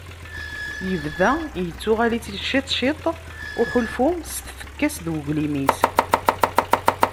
Yebda yettuɣal-itt-id ciṭ ciṭ uḥulfu s tfekka-s d uglim-is.